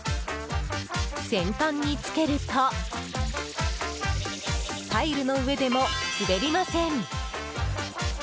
先端に付けるとタイルの上でも滑りません。